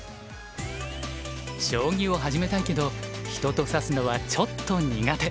将棋を始めたいけど人と指すのはちょっと苦手。